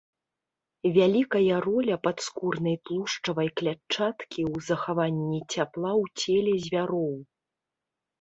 Вялікая роля падскурнай тлушчавай клятчаткі ў захаванні цяпла ў целе звяроў.